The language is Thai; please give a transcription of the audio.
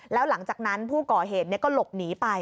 แล้วหลังจากนั้นผู้ก่อเหตุก็หลบหนีไป